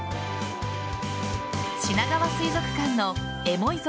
しながわ水族館の「エモいぞ！！